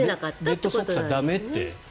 レッドソックスは駄目って。